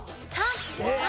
３。